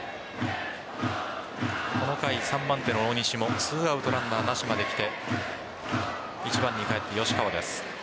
この回、３番手の大西も２アウトランナーなしまで来て１番に返って吉川です。